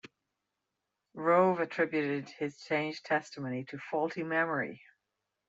Rove attributed his changed testimony to faulty memory.